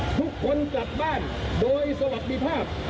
ทุกคนกลับบ้านโดยสวัสดีภาพ